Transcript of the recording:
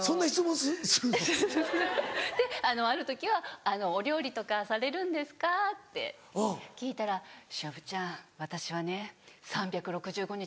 するするである時は「お料理とかされるんですか？」って聞いたら「忍ちゃん私はね３６５日